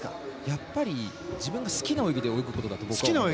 やっぱり自分が好きな泳ぎで泳ぐことだと思います。